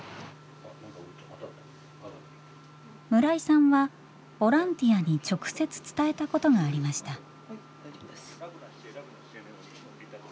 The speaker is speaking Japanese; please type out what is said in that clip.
村井さんはボランティアに直接伝えたことがありました。